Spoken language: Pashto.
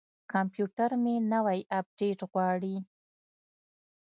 کمپیوټر مې نوی اپډیټ غواړي.